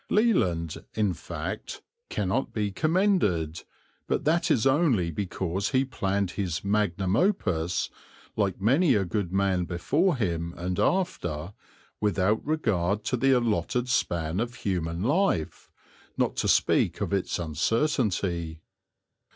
Leland, in fact, cannot be commended, but that is only because he planned his magnum opus, like many a good man before him and after, without regard to the allotted span of human life, not to speak of its uncertainty.